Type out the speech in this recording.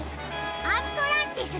アントランティスです。